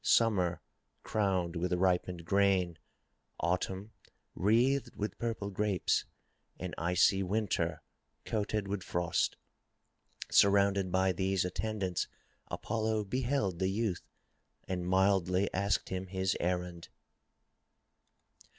Summer crowned with ripened grain. Autumn wreathed with purple grapes, and icy Winter coated with frost. Surrounded by these attendants, Apollo beheld the youth and mildly asked him his errand.